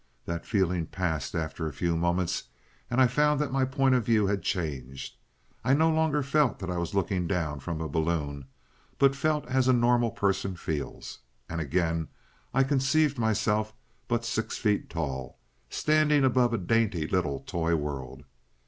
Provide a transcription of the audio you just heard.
That feeling passed after a few moments, and I found that my point of view had changed. I no longer felt that I was looking down from a balloon, but felt as a normal person feels. And again I conceived myself but six feet tall, standing above a dainty little toy world.